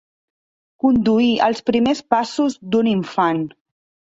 Conduir els primers passos d'un infant.